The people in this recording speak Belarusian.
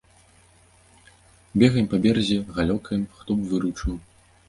Бегаем па беразе, галёкаем, хто б выручыў.